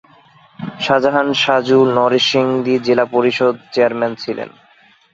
শাহজাহান সাজু নরসিংদী জেলা পরিষদ চেয়ারম্যান ছিলেন।